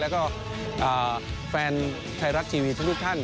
แล้วก็แฟนไทยรัฐทีวีทุกท่าน